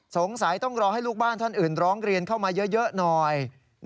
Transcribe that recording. สงสัยต้องรอให้ลูกบ้านท่านอื่นร้องเรียนเข้ามาเยอะหน่อย